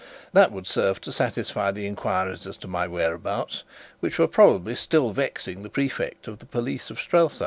That would serve to satisfy the inquiries as to my whereabouts, which were probably still vexing the Prefect of the Police of Strelsau.